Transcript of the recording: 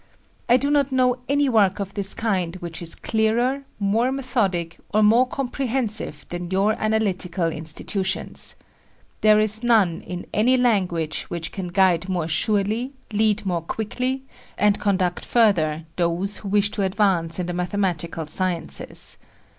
I do not know any work of this kind which is clearer, more methodic or more comprehensive than your Analytical Institutions. There is none in any language which can guide more surely, lead more quickly, and conduct further those who wish to advance in the mathematical sciences.